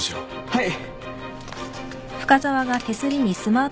はい。